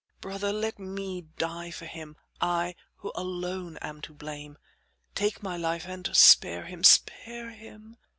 Brother, let me die for him I who alone am to blame; take my life and spare him spare him!